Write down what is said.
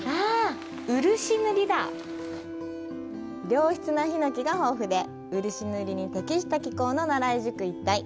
良質なヒノキが豊富で、漆塗りに適した気候の奈良井宿一帯。